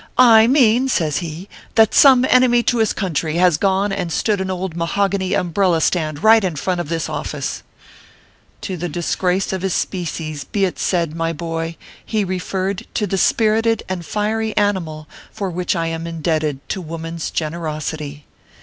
" I mean/ says he, " that some enemy to his coun try has gone and stood an old mahogany umbrella stand right in front of this office/ To the disgrace of his species be it said, my boy, he referred to the spirited and fiery animal for which I am indebted to woman s generosity.